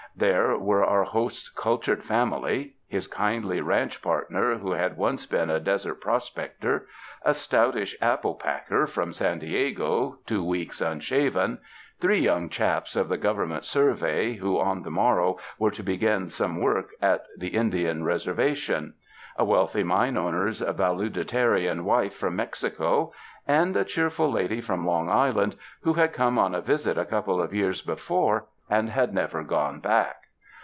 There were our host's cultured family; his kindly ranch partner who had once been a desert prospector; a stoutish apple packer from San Diego, two weeks unshaven; three young chaps of the Government Survey, who, on the morrow were to begin some work at the In dian Reservation; a wealthy mine owner's vale tudinarian wife from Mexico; and a cheerful lady from Long Island who had come on a visit a couple of years before and had never gone back.